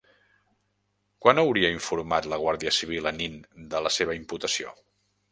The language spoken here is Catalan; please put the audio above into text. Quan hauria informat la Guàrdia Civil a Nin de la seva imputació?